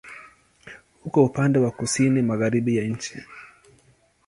Uko upande wa kusini-magharibi ya nchi.